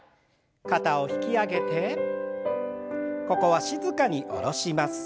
肩を引き上げてここは静かに下ろします。